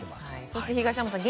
そして東山さん